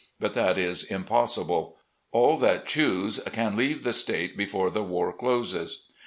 But that is impossible. All that choose can leave the State before the war closes.